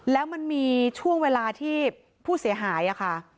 แล้วมันมีช่วงเวลาที่ผู้เสียหายค่ะ